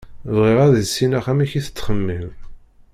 Bɣiɣ ad issineɣ amek i tettxemmim.